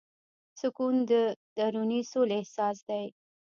سکون د دروني سولې احساس دی.